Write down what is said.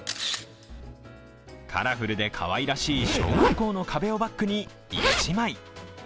カラフルでかわいらしい小学校の壁をバックに１枚。